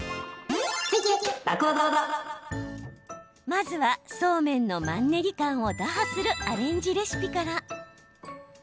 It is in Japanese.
まずは、そうめんのマンネリ感を打破するアレンジレシピから。